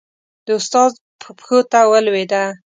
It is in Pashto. د استاد پښو ته ولوېده.